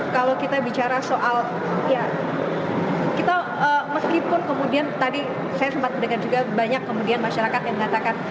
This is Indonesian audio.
kalau kita bicara soal ya kita meskipun kemudian tadi saya sempat mendengar juga banyak kemudian masyarakat yang mengatakan